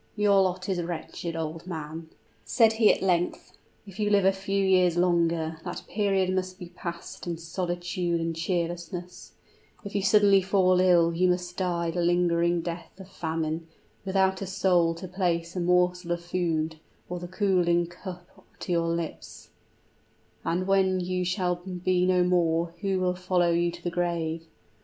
"Your lot is wretched, old man," said he at length: "if you live a few years longer, that period must be passed in solitude and cheerlessness: if you suddenly fall ill you must die the lingering death of famine, without a soul to place a morsel of food, or the cooling cup to your lips; and when you shall be no more, who will follow you to the grave?